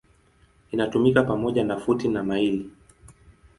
Inatumika pamoja na futi na maili.